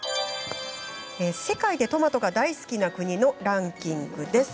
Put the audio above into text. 世界でトマトが大好きな国のランキングです。